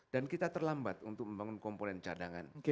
dan kita terlambat untuk membangun komponen cadangan